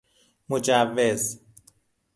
مجوز